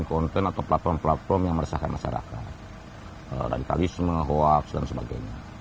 konten atau platform platform yang meresahkan masyarakat radikalisme hoax dan sebagainya